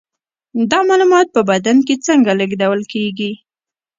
دا معلومات په بدن کې څنګه لیږدول کیږي